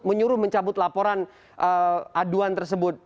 menyuruh mencabut laporan aduan tersebut